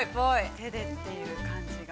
◆手でという感じが。